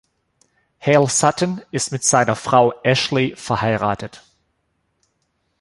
Hal Sutton ist mit seiner Frau Ashley verheiratet.